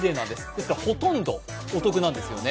ですから、ほとんどお得なんです。